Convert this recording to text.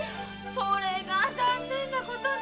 それが残念なことに！